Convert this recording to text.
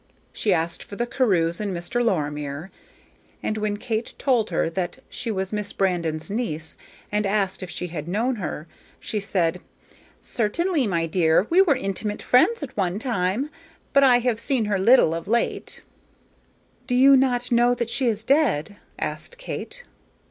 She asked for the Carews and Mr. Lorimer, and when Kate told her that she was Miss Brandon's niece, and asked if she had not known her, she said, "Certainly, my dear; we were intimate friends at one time, but I have seen her little of late." "Do you not know that she is dead?" asked Kate.